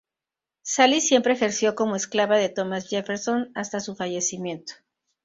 Sally siempre ejerció como esclava de Thomas Jefferson hasta su fallecimiento.